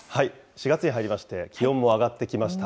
４月に入りまして、気温も上がってきました。